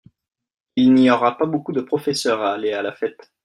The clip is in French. Il n'y aura pas beaucoup de professeurs à aller à la fête.